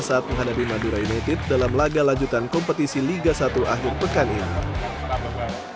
saat menghadapi madura united dalam laga lanjutan kompetisi liga satu akhir pekan ini